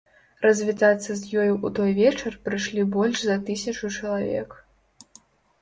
Развітацца з ёю ў той вечар прыйшлі больш за тысячу чалавек.